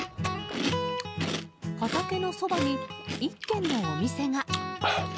畑のそばに１軒のお店が。